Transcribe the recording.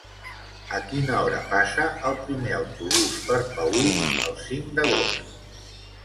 A quina hora passa el primer autobús per Paüls el cinc d'agost?